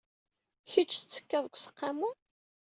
Kecc tettekkad deg useqqamu?